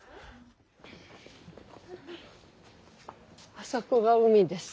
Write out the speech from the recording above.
あそこが海です。